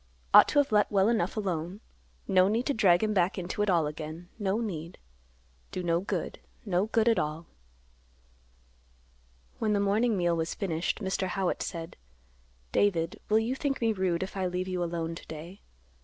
Ought to have let well enough alone. No need to drag him back into it all again; no need. Do no good; no good at all." When the morning meal was finished, Mr. Howitt said, "David, will you think me rude, if I leave you alone to day?